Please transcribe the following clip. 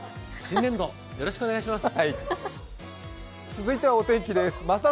新年度、よろしくお願いします！